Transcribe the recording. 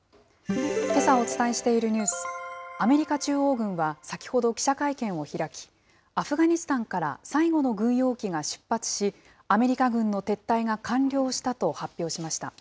けさお伝えしているニュース、アメリカ中央軍は先ほど記者会見を開き、アフガニスタンから最後の軍用機が出発し、アメリカ軍の撤退が完了したと発表しました。